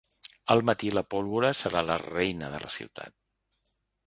Al matí la pólvora serà la reina de la ciutat.